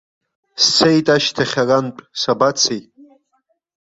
Сцеит ашьҭахь арантә, сабацеи?